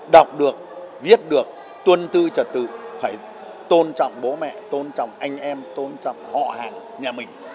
đọc được viết được tuân tư trật tự phải tôn trọng bố mẹ tôn trọng anh em tôn trọng họ hàng nhà mình